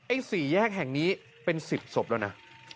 ๔แยกแห่งนี้เป็น๑๐ศพแล้วนะ